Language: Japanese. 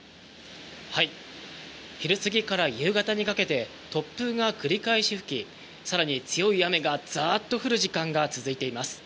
昼過ぎから夕方にかけて突風が繰り返し吹き更に、強い雨がザーッと降る時間が続いています。